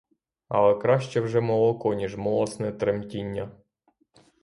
Але краще вже молоко, ніж млосне тремтіння.